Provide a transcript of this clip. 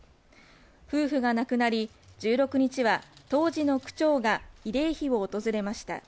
夫婦が亡くなり、１６日には当時の区長が慰霊碑を訪れました。